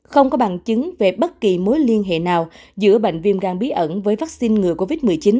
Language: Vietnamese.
không có bằng chứng về bất kỳ mối liên hệ nào giữa bệnh viêm gan bí ẩn với vaccine ngừa covid một mươi chín